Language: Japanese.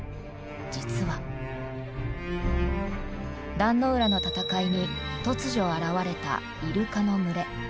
壇ノ浦の戦いに突如現れたイルカの群れ。